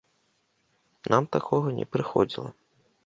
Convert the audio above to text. Нам такога не прыходзіла.